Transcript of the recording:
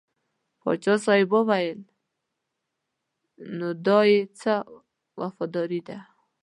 پاچا صاحب وویل نو دا یې څه وفاداري ده.